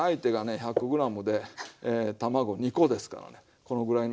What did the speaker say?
１００ｇで卵２コですからねこのぐらいの。